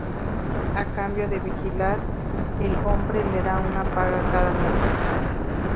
A cambio de vigilar, el hombre le da una paga cada mes.